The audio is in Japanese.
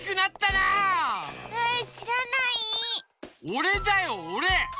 おれだよおれ！